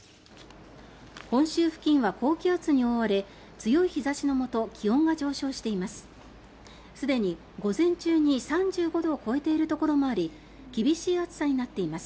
本州付近は高気圧に覆われ強い日差しのもと気温が上昇しています。